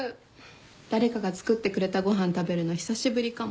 誰かが作ってくれたご飯食べるの久しぶりかも。